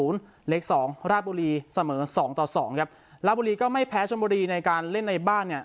เลขสองราดบุรีเสมอ๒๒ครับราดบุรีก็ไม่แพ้ชมบุรีในการเล่นในบ้านเนี้ย